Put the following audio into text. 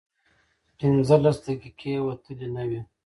پينځلس دقيقې وتلې نه وې.